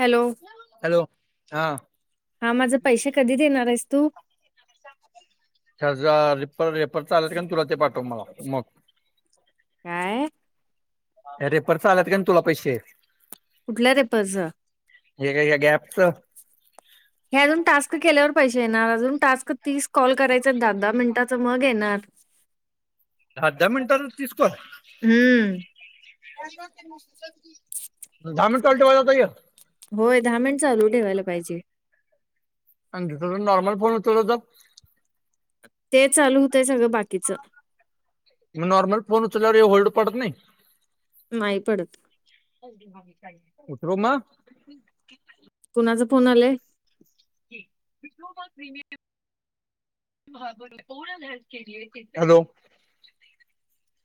Hello hello हा हा माझे पैसे कधी देणार आहेस तू हजार रेपर चालेत तुला ते पाठव मला मग काय अरे परच आलात काय तुला पैसे कुठला तेपर् जा स हे अजून टास्क केल्यावर पैसे येणार अजून टास्क तीस कॉल करायचे दहा दहा मिनिटाच मग येणार अर्धा मिनटात तस हम्म दहामनल्टे वाजात य होय दहा मिनट चालू ठेवायला पाहिजे. त नॉर्मल फोन उचलल तर,, ते चालू होतय सगळं बाकीच.. म नॉर्मल फोन उचलवर हे होल्ड पडत नाही. नाही पडत कुतरऩऽ णाचा फोन आलाय? प्रमियम. हॅलो.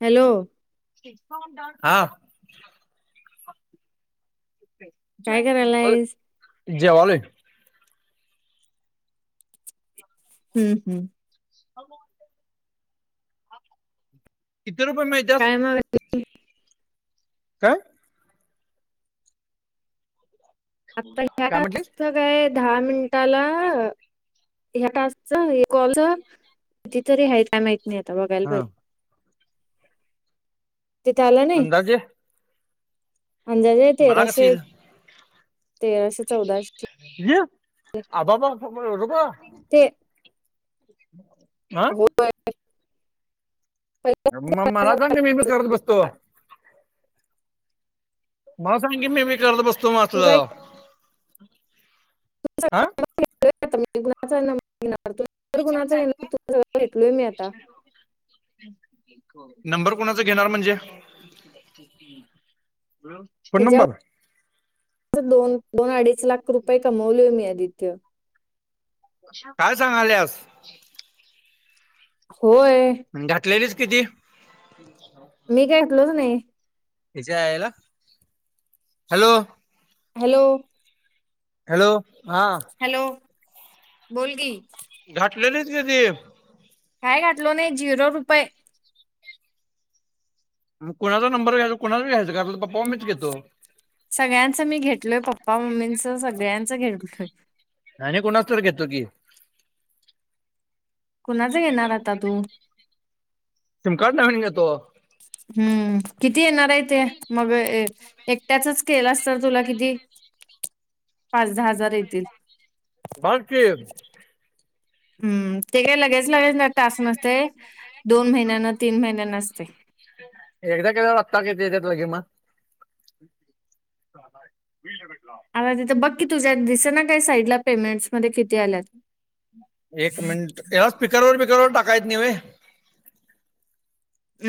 हॅलो. हा, काय करायलायस जेवालोय,, हम्म,, हम्म, किती रुपये मिळत्यात.. काय मग काय? आता् हत्या काय टाइमाच, म्हटलीस काय दहा मिनटऽऽ ला ह्या टास्क च, कॉल च, किती तरी हायत,, माहितीऽ‌ नाही आता बघायला हा पायजे.. तिथे आलं नाही,, अंदाजे अंदाजे मला कसं तेराशे,, येईल तेराशे चौदाशे, अ बा, बा एवढंऽऽ तेे, [inaudible] हो, अमम काय मला सांग कि, मी मी करत बसतो. झालं, मला सांगी मी मी करत बसतो म तू असली,,, काय अं आ कूणाचा नंबऽऽ वण झाग का घेतलोय मी आता. [inaudible] नंबर कोणाच घेणार म्हणजे? फोन नंबर,, ह्याच्यावर दोन, दोन अडीच लाख रुपये कमवलोय मी आदित्य. काय सांगाल्यास,, होय, घातलेलीस किती? मी काय घेतलोच नाई,, हेच्याे आयला,, हॅलो. हॅलो. हॅलो. हा हॅलो,, बोल की, घाटलेलीच कि ती,, काय घातलो नाही,, झिरो रुपये. मग कुणाचा नंबर घ्यायच, कुणाच घ्यायचं, कार पप्पा मीच घेतो. सगळ्यांचं मी घेतलोय, पप्पा मम्मींच सगळ्यांचं घेतलोय. आणि कोणाच तर घेतो की,, [unintelligible] कुणाचं घेणार आता तू सीम कार्ड नविन घेतो. हम्म, किती येणार आहे ते,, मग, एकट्याचच केलं अस तर तुला किती? पाच दहा हजार येतील. बग की, हम्म,, ते काही लगेच, लगेच लाऽऽ तास नसतय, दोन महिन्यान, तीन महिन्यान असतय. एकदा केल्यावर आता किती एत्याय लगेच मऽऽ आता तिथं बक्की तुझ्या दिसे ना काय साईडला पेमेंट्स मध्ये किती आल्यात एक मिनिट याला स्पीकर वर पीकर व टाकायेत नाही वय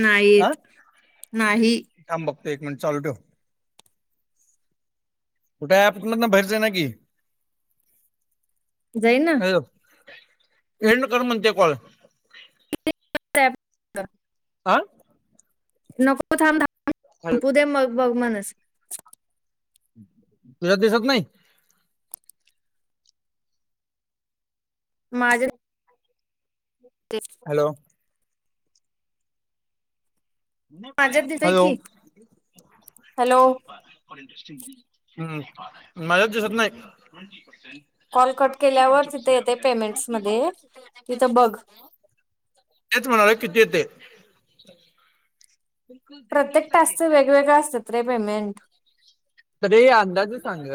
नाही येत नाही ऐक मिनट चालू ठेव कुठेअँप मधून बाहेर जाईना की जाईना हॅलो एंड कर म्हणतय कॉल [inaudible] आं नको थांब थांब [inaudible] मग बग मनस तुझ्यात दिसत नाही माझ्या हो [inaudible] हॅलो माझ्यात दिसतंय हॅलो की. [unintelligible] हॅलो. हम्म माझ्यात दिसत नाही [inaudible] कॉल कट केल्यावर तिथे येतंय पेमेंट्समध्ये. तिथं बघ. तेच म्हणालोय किती येतय प्रत्येक टास्क च वेगवेगळे असत्यात रे पेमेंट तरी अंदाज सांग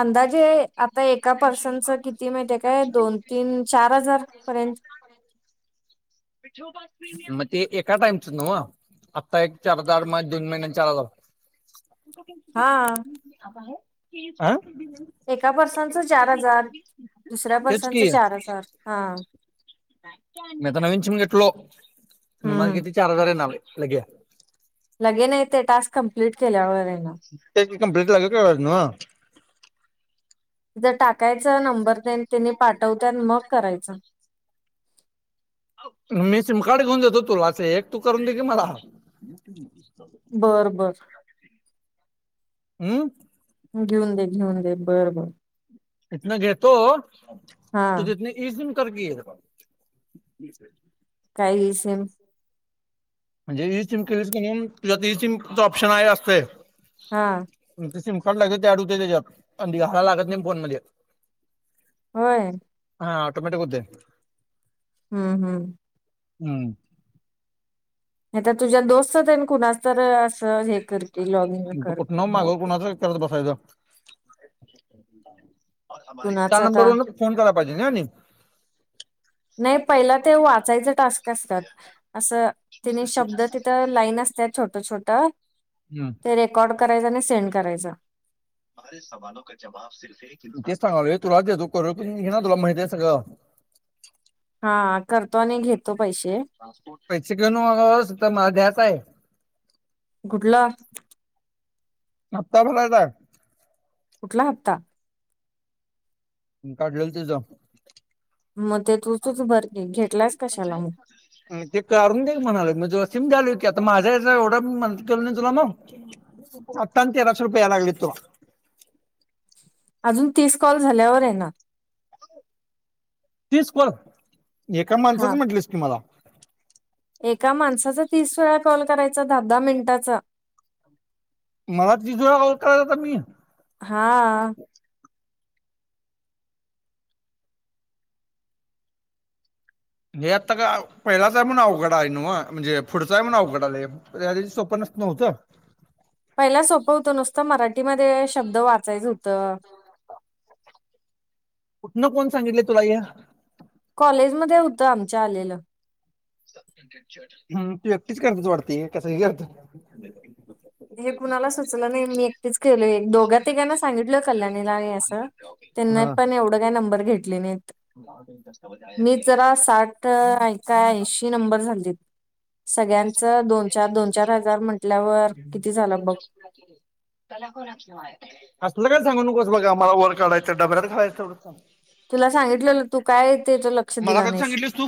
अंदाजे आता एका पर्सनच किती माहिती आहे काय दोन तीन चार हजार पर्यंत [unintelligible] मग ते काय टाइमच न्हव आत्ता एक चार हजार मग दोन महिन्यान चार हजार [inaudible] हा. हं एका पर्सनचं चार हजार दुसऱ्या तेच पर्सनचं की चार हजार हा मी तर नवीन सिम घेतलो म मझ हम्म किती चार हजार आहे ना लगे लगे नाही ते टास्क कमप्लीट केल्यावर येना कंपललीट लगे करायचं न्हव जर टाकायचं नंबर तेन त्यांनी पाठवत्यात मग करायचं मी सिम कार्ड घेऊन देतो तुला असं एक तू करून दे की मला बर बर हम्म घेऊन दे घेऊन दे बरं बर इतन घेेतो हा तु इ सिम कर की, [unintelligible] काही सिम, म्हणजे इ सिम केलीस, की नाय तुझ्यात इ सिम ऑप्शन आहे असतय, हा, सिम कार्ड लगेच ऍड हुतय तेज्यांत, आणि ते गालाय लागत नाय फोन मध्ये होय? हा ऑटोमॅटिक हुतय, हम्म हम्म, हम्म [unintelligible] नाही तर, तुझ्या दोस्तच कुणाच तर, असं हे कर की लॉग इन कर कुठ की न हो मागव, कोणाच विचारत बसायच. कुणाच त्या आता नंबरवरन फोन करा, पाजी काय आणि, [unintelligible] नाही पहिला ते वाचायचं, टास्क असतात अस तेनी शब्द, ते छोट छोट हम्म. ते रेकॉर्ड करायच आणि, सेंड करायचं [inaudible] तेच सांगालोय तुला देतो [unintelligible] घेणा तुला माहितेय सगळ. [unintelligible] हा करतो आणि घेतो पैसे [unintelligible] पैसे घेऊन म सु मला द्याचहाय. कुठला? हपता भरायचं. कुठला हप्ता, काढलेल त्याचं, मद, ते करून देे म्हणाले, म ज सिम द्यायला. आता माझा याचा एवढं म्ह केलं, ना तुला मग आत्ता आणि तेराशे रुपये यायला लागले तुला. [inaudible] अजून तीस, कॉल झाल्यावर येणार. तीस कॉल, एका हा माणसाचं म्हंटलीस की मला. एका माणसाचा तीस वेळा कॉल करायचा, दहा दहा मिनिटाचा. मला तिथरा कॉल करायच मी, हा, हे आता का पहिलाच आहे, म्हण अवघड आहे न म्हणजे पुढचा आहे म्हण अवघड आला सवप्, नव्हत. पहिला सोपं होतं, नुसतं मराठीमध्ये शब्द वाचायच होत. कुठन कोण सांगितले तुला ये, कॉलेजमध्ये होतं आमच्या आलेलं. हम्म तू एकटीच करते वाटत, हे का सगळीच करतेत? हे कुणाला सुचलं नाही मी एकटीच केलो एक दोन. घा तिघांना सांगितल कल्याणीला, असं त्यांना पण एवढ काय नंबर घेतले ने, मी जरा साठ ऐका ऐंशी नंबर झालतीत. सगळ्यांचं दोन चार, दोन चार हजार म्हटल्यावर, [unintelligible] किती झालं बघ सांगू नकोस बघ आमला, वर काढायचा [unintelligible] घालायचं तेवढे सांग. तुला सांगितलं. मला कधी सांगितलीस तू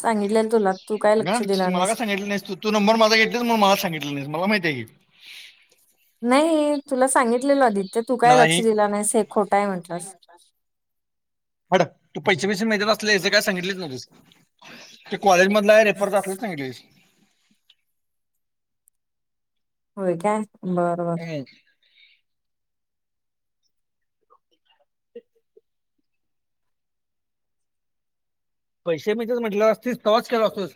सांगितलेल तुला तू काय ना, लक्षात, मला का सांगित नाहीस, तू तू नंबर माझ घेतलास म मला सांगितलं नाहीस मला माहिताय की. नाही तुला सांगितलेल आदि, ते तू काय लक्ष नाही दिला नाहीस, हे खोटा आहे म्हंटलंस. [unintelligible] तू पैसे पैसे मिळते, ते कॉलेजमधला हाय रेफरच असलं सांगितलं होतस होय काय बर बर. हम्म. [inaudible] पैसे म्हणजेच म्हंटले असतेस तवाच गेलो असतोस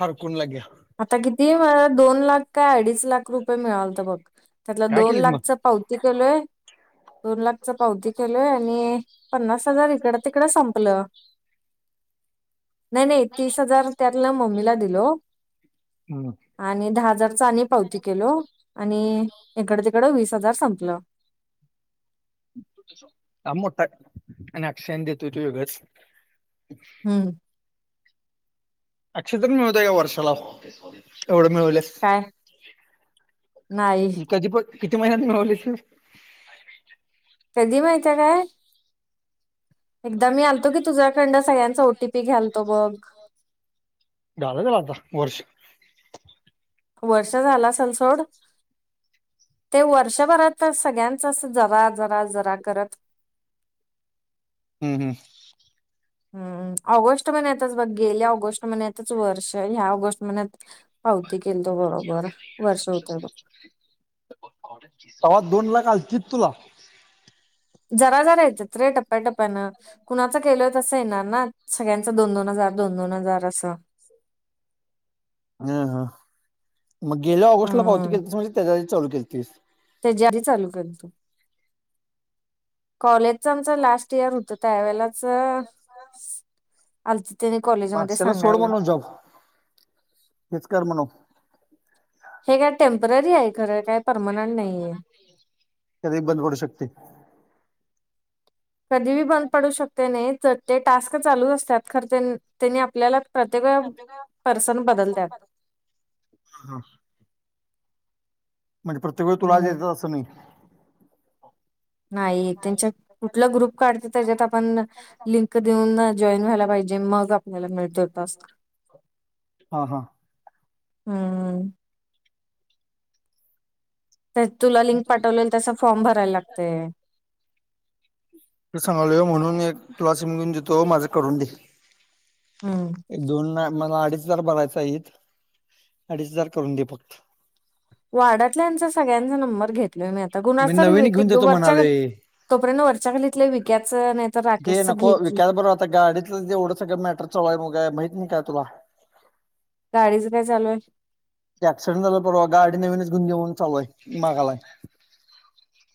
हरकुल लग्या. आता किती मला दोन लाख काय अडीच लाख रुपये मिळालत बघ. त्यातला काय दोन केलीस मग लाखच पावती केलोय दोन लाख, पावती केलंय आणि पन्नास हजार इकड तिकडं संपलं. नाही नाही तीस हजार त्यातलं मम्मीला दिलो. हम्म. आणि दहा हजारचा आणि पावती केलो आणि इकड तिकडं वीस हजार संपलं. ह मोठा आणि अक्षयआन देतो ते वेगळाच. हम्म अक्षय तर मिळवतोय का वर्षाला? एवढं मिळवल्यास काय नाही कधी प किती महिन्यात मिळवली? कधी माहित काय? एकदा मी आलतो की तुझ्याकंड सगळ्यांचा ओटीपी घ्यालतो बघ झालं आता वर्ष. वर्ष झाला असल सोड. ते वर्षभरात सगळ्यांचाच जरा जरा जरा करत हम्म हम्म हम्म ऑगस्ट म्हण्यातच बघ गेल्या ऑगस्ट मनतच वर्ष ह्या ऑगस्ट म्ह्यात होौते गेल सवा दोन लाख आ किततला जरा जरा यायच्या रे टप्प्याटप्प्यानं कुणाचं केलंय तसं येणार ना सगळ्यां दोन दोन हजार दोन दोन हजार असं हा हा मग गेल्या ऑगस्टला पावती के हम्म तस म्हणजे त्याच्या आ चालू केल तस त्याच्या चालू करत कॉले आच आमच लास्ट इयर होत त्यावेेलाच आल त्यानी कॉलेज मध्ये अक्षयला सोड सांगायला म्हणून जॉब हेच कर म्हणून हे काय टेम्पररी आहे खरं काय परमानंट नाहीय करी बंद पडू शकते कधी बी बंद पडू शकते नाही तर ते टास्क चालू असतात खर त्यां त्यांनी आपल्याला प्रत्येक वेळा पर्सन बदलतात म्हणजे प्रत्येक वेळी तुलाज हम्म येत असं नाही नाही त्यांच्या कुठला ग्रुप काढते त्याच्यात आपण लिंक देऊन जॉईन व्हायला पाहिजे मग आपल्याला मिळत तास हा हा हम् तुला लिंक पाठवलेल त्यास फॉर्म भरायला लागते सांगाल म्हणून एक क्लासीम घेऊन जेतो माझं करून दे हम्म एक दोन ना मला अ अडीच हजार भरायच आहे अडीच हजार करून दे फक्त वारडातल्याचा सगळ्यांचा नंबर घेत म आता मी गुणार नवीन घेऊन देतो वरच्याली म्हणालोय तोपर्यंत वरच्या खाली विक ते नको विक बरो आता गाडीतलं ढडच गट चय मुगाय माहिित नाही का ला गाडीच काय चालू आहे ऍक्सिडेंट झाला परवा गाडी नवीनच घेऊन घेऊन चालूय मागाला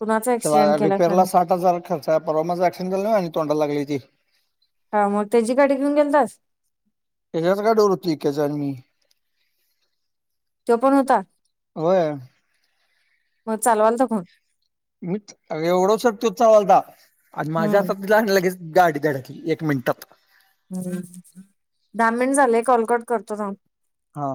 कुणाचा ऍक्सिडेंट केला का रिपेअरला ला नाही साठ हजार खर्च आहे परवा माझा ऍक्शन झाला तोंडाला लागली त हा मग त्याची गाडी घेऊन गेल तस. याच्यात काय रूतीकच आणि मी तो पण होता होय मग चालवाल त फन मी एवढोच तोसावालता आ माझ्या आ हम्म तिला लगेच. गाडी धडकली एक मिनिटात ह् दहा मिनट झालेय कॉलकट करतो जाऊ. हा.